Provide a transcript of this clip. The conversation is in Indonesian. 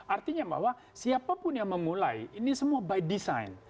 artinya bahwa siapapun yang memulai ini semua by design